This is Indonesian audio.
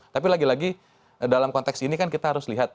tapi lagi lagi dalam konteks ini kan kita harus lihat